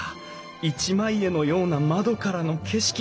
一枚絵のような窓からの景色。